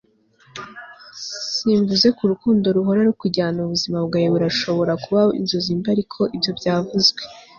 simvuze ko urukundo ruhora rukujyana mu ijuru ubuzima bwawe burashobora kuba inzozi mbi ariko ibyo byavuzwe